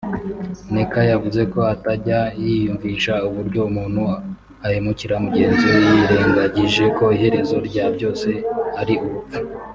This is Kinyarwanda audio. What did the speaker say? Nneka yavuze ko atajya yiyumvisha uburyo umuntu ahemukira mugenzi we yirengagije ko iherezo rya byose ari urupfu